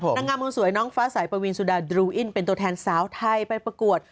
นางงามคนสวยน้องฟ้าสายปวีนสุดาดรูอินเป็นตัวแทนสาวไทยไปประกวด